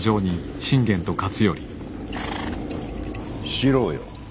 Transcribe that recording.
四郎よ。